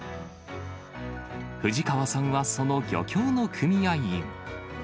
藤川さんはその漁協の組合員。